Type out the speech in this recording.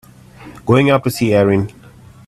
Going up to see Erin.